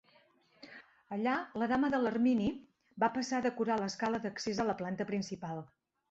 Allà la Dama de l'Ermini va passar a decorar l'escala d'accés a la planta principal.